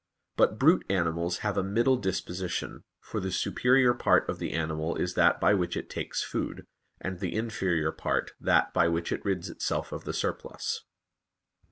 But brute animals have a middle disposition, for the superior part of the animal is that by which it takes food, and the inferior part that by which it rids itself of the surplus.